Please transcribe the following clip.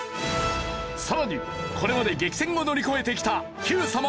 さらにこれまで激戦を乗り越えてきた『Ｑさま！！』